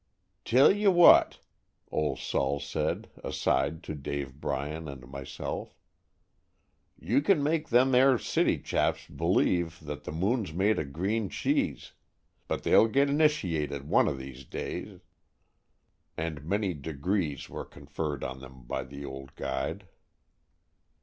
"Tell ye what," "Old Sol" said aside to Dave Bryan and myself, "you ken make them aire city chaps believe thet the moon's made o' green cheese; but they'll get 'nitiated one o' these days;" and many "degrees" were conferred on them by the old guide.